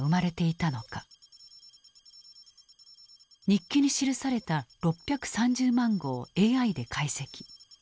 日記に記された６３０万語をＡＩで解析。